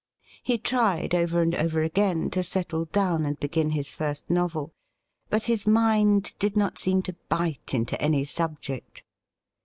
He tried over and over again to settle down and begin his first novel, but his mind did not seem to bite into any subject.